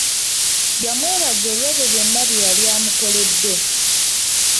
Yamwebaza olw'ebyo byonna bye yali amukoledde.